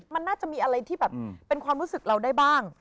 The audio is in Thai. มันน่าจะมีอะไรที่แบบเป็นความรู้สึกเราได้บ้าง